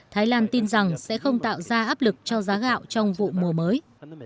thái lan tin rằng sẽ không tạo ra áp lực cho giá gạo trong vụ mùa mới